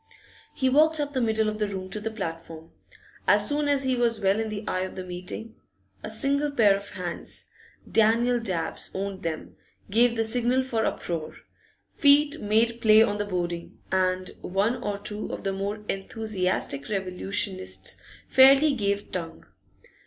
He walked up the middle of the room to the platform. As soon as he was well in the eye of the meeting, a single pair of hands Daniel Dabbs owned them gave the signal for uproar; feet made play on the boarding, and one or two of the more enthusiastic revolutionists fairly gave tongue.